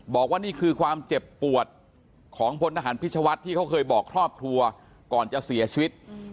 บอกว่านี่คือความเจ็บปวดของพลทหารพิชวัฒน์ที่เขาเคยบอกครอบครัวก่อนจะเสียชีวิต